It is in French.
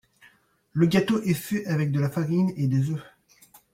Le gâteau est fait avec de la farine et des œufs.